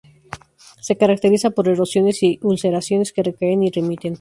Se caracteriza por erosiones y ulceraciones que recaen y remiten.